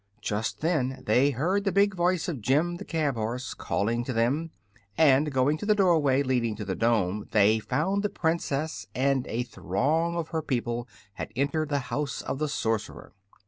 Just then they heard the big voice of Jim the cab horse calling to them, and going to the doorway leading to the dome they found the Princess and a throng of her people had entered the House of the Sorcerer.